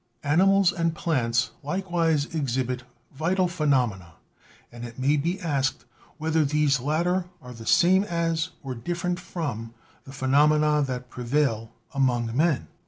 Animals and plants likewise exhibit vital phenomena, and it may be asked whether these latter are the same as or different from the phenomena that prevail among men.